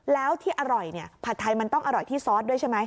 แล้วที่อร่อยเนี่ยผัดไทยมันต้องอร่อยที่ซอสด้วยใช่ไหม